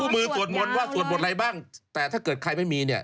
มือสวดมนต์ว่าสวดบทอะไรบ้างแต่ถ้าเกิดใครไม่มีเนี่ย